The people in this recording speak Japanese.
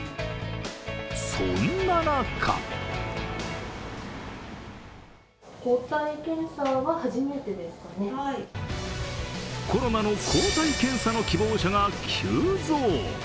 そんな中コロナの抗体検査の希望者が急増。